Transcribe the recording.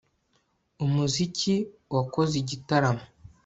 Umuziki wakoze igitaramo